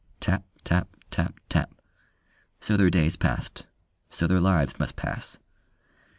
Tap, tap, tap, tap: so their days passed, so their lives must pass.